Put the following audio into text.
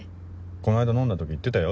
この間飲んだ時言ってたよ